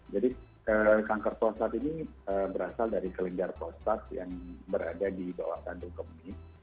jadi kanker prostat ini berasal dari kelinggar prostat yang berada di bawah tanduk kemi